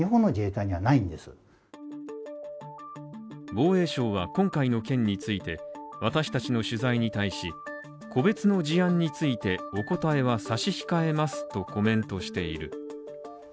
防衛省は今回の件について私たちの取材に対し個別の事案についてお答えは差し控えますとコメントしている。